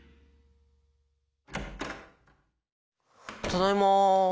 ・ただいま。